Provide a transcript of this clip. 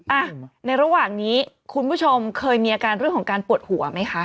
อ่ะในระหว่างนี้คุณผู้ชมเคยมีอาการเรื่องของการปวดหัวไหมคะ